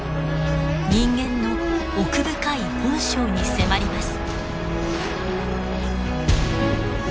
人間の奥深い本性に迫ります。